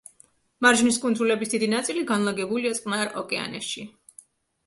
მარჯნის კუნძულების დიდი ნაწილი განლაგებულია წყნარ ოკეანეში.